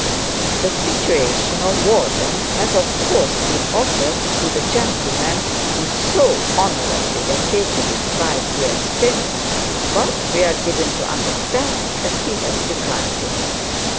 The situation of warden has of course been offered to the gentleman who so honourable vacated it five years since; but we are given to understand that he has declined it.